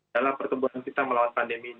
dalam pertumbuhan kita melawan pandemi ini